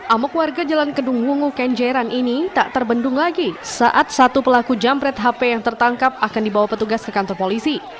amuk warga jalan kedung wungu kenjeran ini tak terbendung lagi saat satu pelaku jamret hp yang tertangkap akan dibawa petugas ke kantor polisi